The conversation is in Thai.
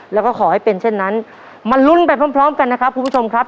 แล้วก็ขอให้เป็นเช่นนั้นมาลุ้นไปพร้อมกันนะครับคุณผู้ชมครับ